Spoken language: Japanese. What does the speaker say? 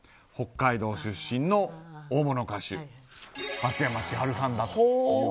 北海道出身の大物歌手松山千春さんだと。